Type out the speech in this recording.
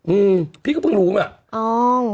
อืมพี่ก็เพิ่งรู้ไหม